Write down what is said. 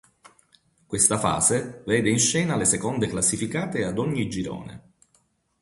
Questa fase vede in scena le seconde classificate ad ogni girone.